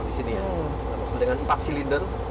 disini ya dengan empat silinder